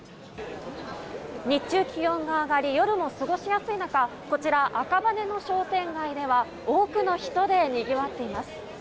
日中、気温が上がり、夜も過ごしやすい中、こちら、赤羽の商店街では、多くの人でにぎわっています。